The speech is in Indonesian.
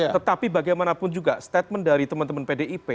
tetapi bagaimanapun juga statement dari teman teman pdip